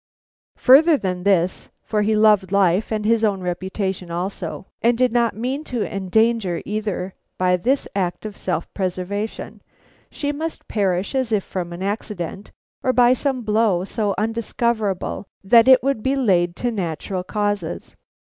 Further than this, for he loved life and his own reputation also, and did not mean to endanger either by this act of self preservation, she must perish as if from accident, or by some blow so undiscoverable that it would be laid to natural causes.